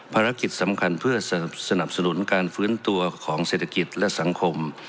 ภารกิจสำคัญเพื่อสนับสนุนการฟื้นตัวของเศรษฐกิจและสังคม